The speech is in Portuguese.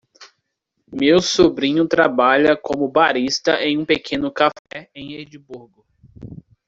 Meu sobrinho trabalha como barista em um pequeno café em Edimburgo.